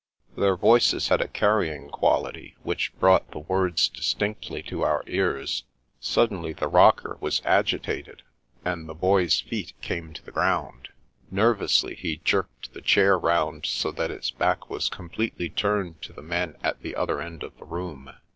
Their voices had a carrying quality which brought the words distinctly to our ears. Suddenly the " rocker " was agitated, and the Boy's feet came to the ground. Nervously, he jerked the chair round so that its back was completely turned to the men at the other end of the room.